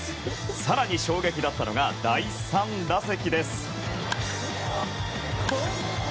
更に、衝撃だったのが第３打席。